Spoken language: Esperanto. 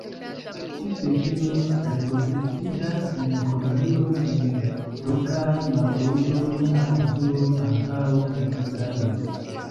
Tiu specio reproduktiĝas en kolonioj en rokaj marbordoj aŭ insuloj, ankaŭ en strandoj.